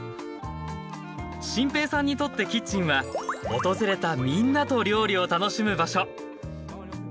心平さんにとってキッチンは訪れたみんなと料理を楽しむ場所。